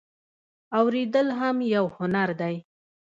اوریدل هم یو هنر دی